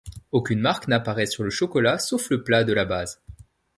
Aucune marque n’apparaît sur le chocolat sauf le plat de la base.